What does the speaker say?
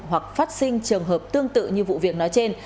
hoặc phát sinh trường hợp tương tự như vụ việc nói trên